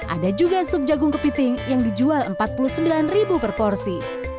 ada juga sup jagung kepiting yang dijual rp empat puluh sembilan per porsi